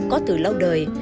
có từ lâu đời